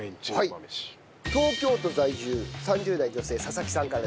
東京都在住３０代女性佐々木さんからです。